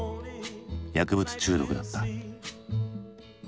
薬物中毒だった。